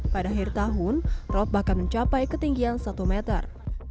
pada akhir tahun rop bahkan mencapai ketinggian satu meter